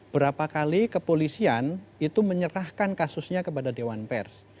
berapa kali kepolisian itu menyerahkan kasusnya kepada dewan pers